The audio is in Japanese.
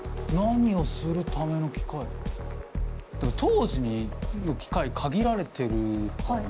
でも当時の機械限られてるからな。